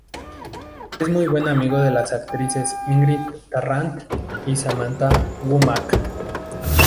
Es muy buen amigo de las actrices Ingrid Tarrant y Samantha Womack.